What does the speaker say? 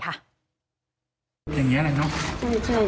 อย่างนี้แหละเนอะ